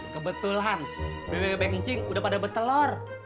kebetulan bbb kencing udah pada bertelur